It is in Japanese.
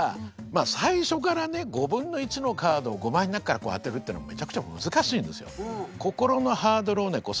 最初からね５分の１のカードを５枚の中から当てるっていうのはめちゃくちゃ難しいんですよ。